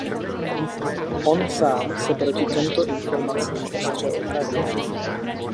On sám se proti těmto informacím ostře ohradil.